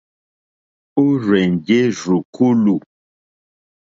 Ó rzènjé rzùkúlù.